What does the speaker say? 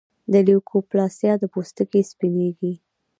د لیوکوپلاسیا د پوستې سپینېږي.